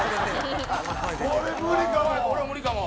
これ無理かも。